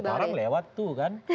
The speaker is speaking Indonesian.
sekarang lewat tuh kan